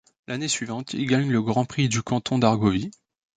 L'année suivante, il gagne le Grand Prix du canton d'Argovie.